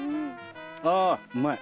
あうまい。